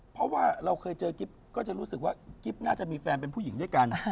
เพราะว่าเราเคยเจอกิ๊บก็จะรู้สึกว่ากิ๊บน่าจะมีแฟนเป็นผู้หญิงด้วยกัน